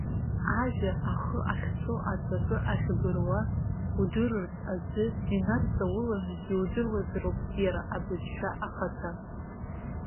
Ажәа ахы ахьцо, аҵакы ахьбыруа удырырц азы инарҵауланы иудыруазароуп иара абызшәа ахаҭа.